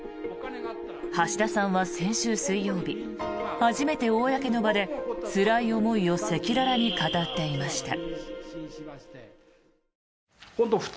橋田さんは先週水曜日初めて公の場でつらい思いを赤裸々に語っていました。